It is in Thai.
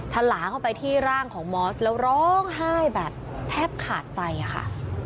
ถลาเข้าไปที่ร่างของมอสแล้วร้องไห้แบบแทบขาดใจค่ะ